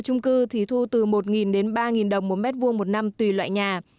chung cư thì thu từ một ba đồng một m hai một năm tùy loại nhà